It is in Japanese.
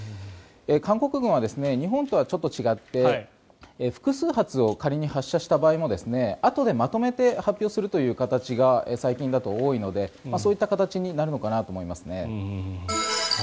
韓国軍は日本とはちょっと違って複数発を仮に発射した場合もあとでまとめて発表するという形が最近だと多いのでそういった形になるのかなと思いますね。